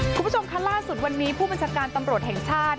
คุณผู้ชมค่ะล่าสุดวันนี้ผู้บัญชาการตำรวจแห่งชาติ